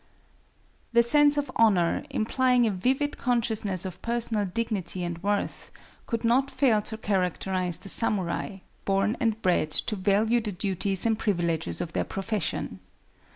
The sense of honor, implying a vivid consciousness of personal dignity and worth, could not fail to characterize the samurai, born and bred to value the duties and privileges of their profession.